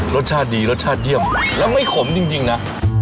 รสชาติดีรสชาติเยี่ยมแล้วไม่ขมจริงนะ